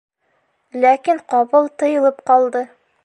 Ләкин ҡапыл тыйылып ҡалды.